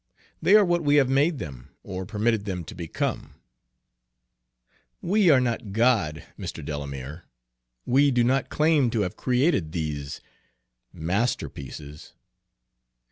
They are what we have made them, or permitted them to become." "We are not God, Mr. Delamere! We do not claim to have created these masterpieces."